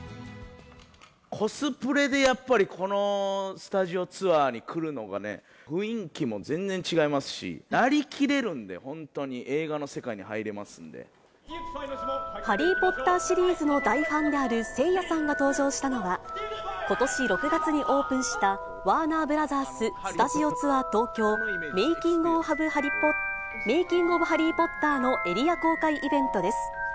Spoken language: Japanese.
コスプレでやっぱりこのスタジオツアーに来るのがね、雰囲気も全然違いますし、なりきれるんで、本当に、ハリー・ポッターシリーズの大ファンであるせいやさんが登場したのは、ことし６月にオープンしたワーナーブラザーススタジオツアー東京メイキング・オブ・ハリー・ポッターのエリア公開イベントです。